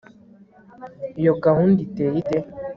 iyo gahunda iteye ite